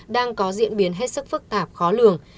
đang có diễn biến hết sức phức tạp khó lường